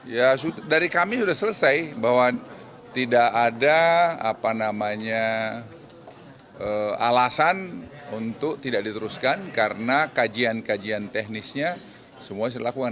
ya dari kami sudah selesai bahwa tidak ada alasan untuk tidak diteruskan karena kajian kajian teknisnya semua sudah dilakukan